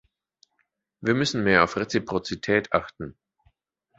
Wir müssen mehr auf Reziprozität achten.